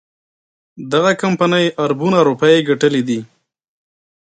دغه کمپنۍ اربونه روپۍ ګټلي دي.